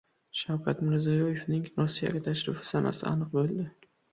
Shavkat Mirziyoyevning Rossiyaga tashrifi sanasi aniq bo‘ldi